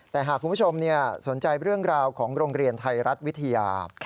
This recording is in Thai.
แต่หากคุณผู้ชมสนใจเรื่องราวของโรงเรียนไทยรัฐวิทยา